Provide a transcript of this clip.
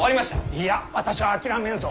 いいや私は諦めぬぞ。